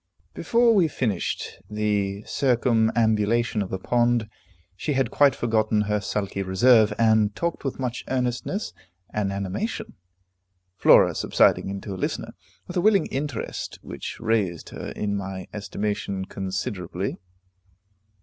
Before we finished the circumambulation of the pond, she had quite forgotten her sulky reserve, and talked with much earnestness and animation, Flora subsiding into a listener, with a willing interest which raised her in my estimation considerably.